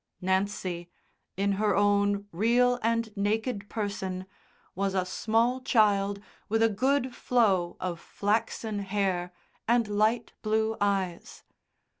Nancy, in her own real and naked person, was a small child with a good flow of flaxen hair and light blue eyes.